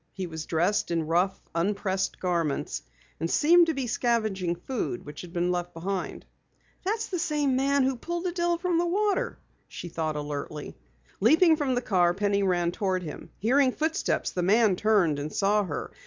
He was dressed in rough, unpressed garments, and seemed to be scavenging food which had been left behind. "That's the same man who pulled Adelle from the water!" she thought alertly. Leaping from the car, Penny ran toward him. Hearing footsteps, the man turned and saw her.